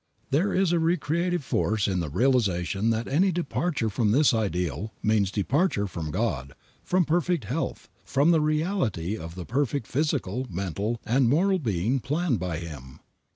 There is a re creative force in the realization that any departure from this ideal means departure from God, from perfect health, from the reality of the perfect physical, mental and moral being planned by Him.